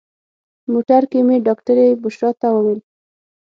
موټر کې مې ډاکټرې بشرا ته وویل.